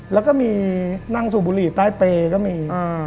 แล้วก็มีนั่งสูบบุหรี่ใต้เปรย์ก็มี